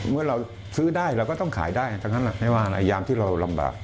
เมื่อเราซื้อได้เราก็ต้องขายได้ทั้งนั้นไม่ว่าอะไรยามที่เราลำบาก